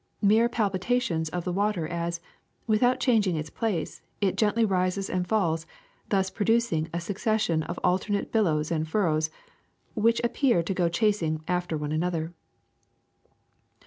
Mere palpitations of the water as, without changing its place, it gently rises and falls, thus producing a succession of alter nate billows and furrows which appear to go chas ing after one another.